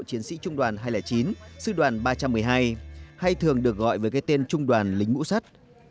chiến sĩ trung đoàn hai trăm linh chín sư đoàn ba trăm một mươi hai hay thường được gọi với cái tên trung đoàn lính mũ sắt